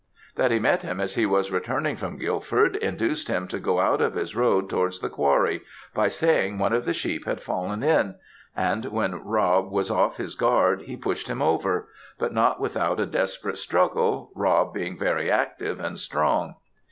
That he met him as he was returning from Gilford, induced him to go out of his road towards the Quarry, by saying one of the sheep had fallen in, and when Rob was off his guard, he pushed him over; but not without a desperate struggle, Rob being very active and strong.